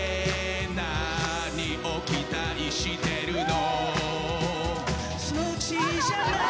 何を期待してるの？